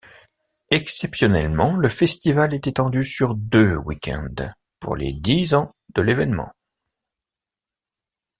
Exceptionnellement, le festival est étendu sur deux week-ends pour les dix ans de l’événement.